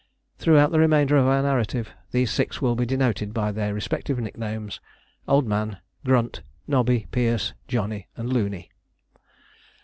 Throughout the remainder of our narrative these six will be denoted by their respective nicknames: Old Man, Grunt, Nobby, Perce, Johnny, and Looney.